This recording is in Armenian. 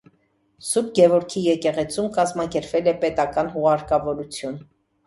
Սուրբ Գևորգի եկեղեցում կազմակերպվել է պետական հուղարկավորություն։